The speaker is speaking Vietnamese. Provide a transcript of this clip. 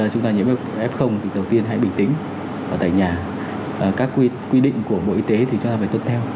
các quy định của bộ y tế thì chúng ta phải tuân theo